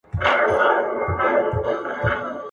ما منلی یې پر تا مي صبر کړی !.